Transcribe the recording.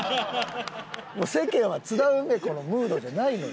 もう世間は津田梅子のムードじゃないのよ。